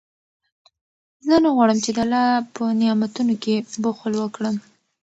زه نه غواړم چې د الله په نعمتونو کې بخل وکړم.